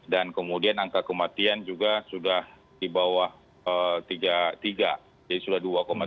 dan kemudian angka kematian juga sudah di bawah tiga jadi sudah dua tiga